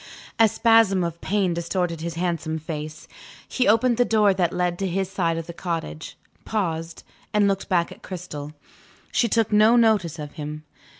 A spasm of pain distorted his handsome face. He opened the door that led to his side of the cottage paused and looked back at Cristel. She took no notice of him.